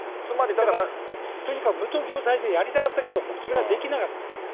だからとにかく無投票再選、やりたかったけども、それができなかった。